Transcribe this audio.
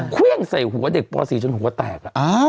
เครื่องใส่หัวเด็กป๔จนหัวแตก